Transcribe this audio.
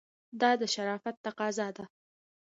دا د شرافت تقاضا ده.